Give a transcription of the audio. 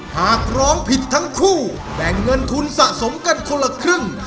หากร้องผิดทั้งคู่แบ่งเงินทุนสะสมกันคนละครึ่ง